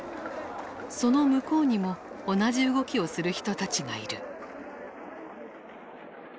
その向こうにも同じ動きをする人たちがいる。